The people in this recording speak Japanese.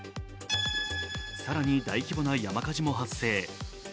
更に大規模な山火事も発生。